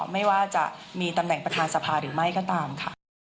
ไม่ว่าจะมีตำแหน่งประธานสภาหรือไม่ก็ตามค่ะ